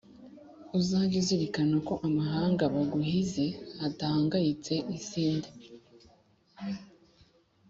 Uzajye uzirikana ko amahanga Baguhize adahangayitse Isinde